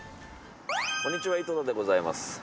こんにちは井戸田でございます。